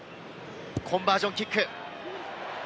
コンバージョンキック。